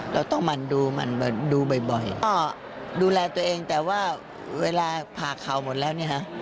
เราต้องมันดูมันดูบ่อยดูแลตัวเองแต่ว่าเวลาผ่าเขาหมดแล้วเนี่ยฮะ